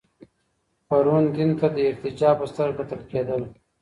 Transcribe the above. پرون دين ته د ارتجاع په سترګه کتل کېدل.